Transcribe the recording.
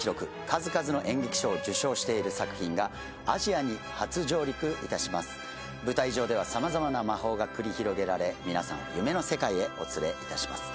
数々の演劇賞を受賞している作品がアジアに初上陸いたします舞台上では様々な魔法が繰り広げられ皆さんを夢の世界へお連れいたします